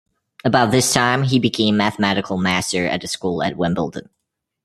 About this time he became mathematical master at a school at Wimbledon.